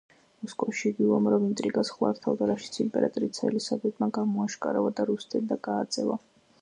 მოსკოვში იგი უამრავ ინტრიგას ხლართავდა, რაშიც იმპერატრიცა ელისაბედმა გამოააშკარავა და რუსეთიდან გააძევა.